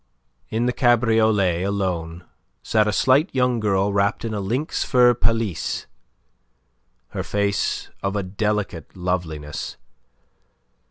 In the cabriolet alone sat a slight young girl wrapped in a lynx fur pelisse, her face of a delicate loveliness.